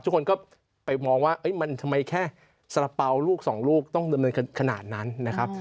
ทุกคนก็ไปมองว่ามันทำไมแค่สาระเป๋าลูกสองลูกต้องดำเนินขนาดนั้นนะครับ